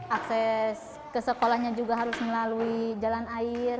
akses ke sekolahnya juga harus melalui jalan air